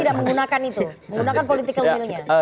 tidak menggunakan itu menggunakan political will nya